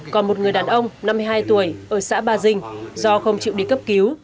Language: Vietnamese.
còn một người đàn ông năm mươi hai tuổi ở xã ba dinh do không chịu đi cấp cứu